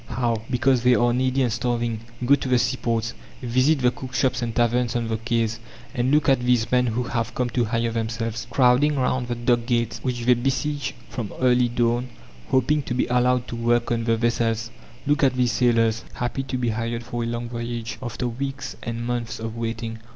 How? Because they are needy and starving. Go to the seaports, visit the cook shops and taverns on the quays, and look at these men who have come to hire themselves, crowding round the dock gates, which they besiege from early dawn, hoping to be allowed to work on the vessels. Look at these sailors, happy to be hired for a long voyage, after weeks and months of waiting.